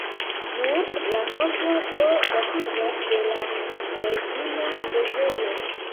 Nur la navo do datiĝas de la origina preĝejo.